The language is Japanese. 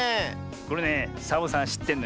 これねサボさんしってんのよ。